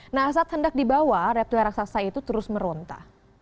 nah saat hendak dibawa reptil raksasa itu terus meronta